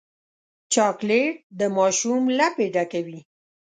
چاکلېټ د ماشوم لپې ډکوي.